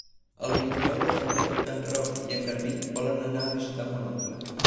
El vint-i-nou de febrer en Roc i en Garbí volen anar a visitar mon oncle.